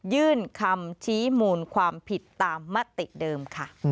ยื่นคำชี้มูลความผิดตามมติเดิมค่ะ